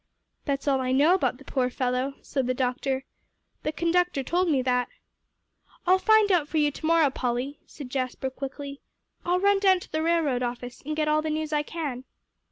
"That's all I know about the poor fellow," said the doctor. "The conductor told me that." "I'll find out for you to morrow, Polly," said Jasper quickly; "I'll run down to the railroad office, and get all the news I can."